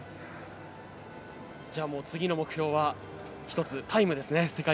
次の目標は１つ、タイムですね。